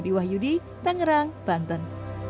lodi wahyudi tangerang banten